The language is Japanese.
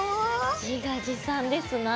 自画自賛ですなあ。